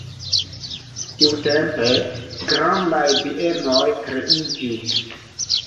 Tiutempe grandaj bienoj kreiĝis.